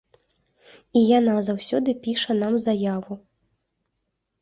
І яна заўсёды піша нам заяву.